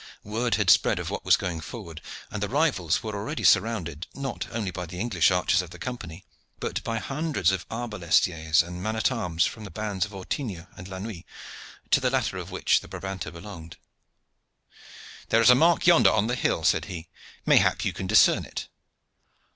Word had spread of what was going forward, and the rivals were already surrounded, not only by the English archers of the Company, but by hundreds of arbalestiers and men at arms from the bands of Ortingo and La Nuit, to the latter of which the Brabanter belonged. "There is a mark yonder on the hill," said he; "mayhap you can discern it."